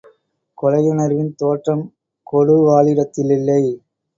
கொலையுணர்வின் தோற்றம் கொடுவாளிடத்திலில்லை.